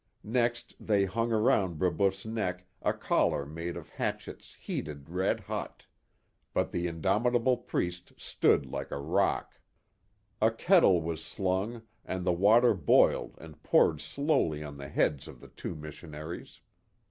Next they hung around Brebeuf *s neck a collar made of hatchets heated red hot; but the indomitable priest stood like a rock. A kettle was slung, and the water boiled and poured slowly on the heads of the two missionaries.